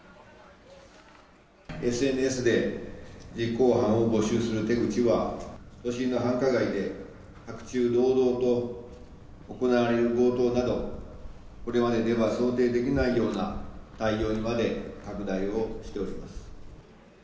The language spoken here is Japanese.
ＳＮＳで実行犯を募集する手口は、都心の繁華街で白昼堂々と行われる強盗など、これまででは想定できないような態様にまで拡大をしております。